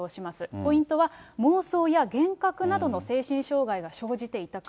ポイントは、妄想や幻覚などの精神障害が生じていたか。